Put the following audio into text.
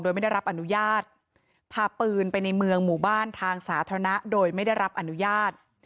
โดยไม่ได้รับอนุญาตพาปืนไปในเมืองหมู่บ้านทางสาธารณะโดยไม่ได้รับอนุญาต